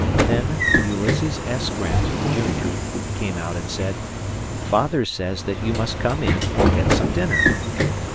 Then Ulysses S. Grant, Junior, came out and said, "Father says that you must come in and get some dinner."